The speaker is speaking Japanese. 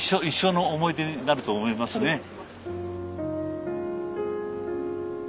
一生の思い出になると思いますね。